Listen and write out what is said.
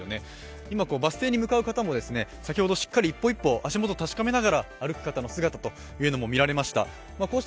今、バス停に向かう方もしっかり一歩一歩、足元確かめながら歩く姿がありました。